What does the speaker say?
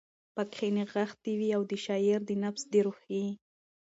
پکښې نغښتی وی، او د شاعر د نفس د روحي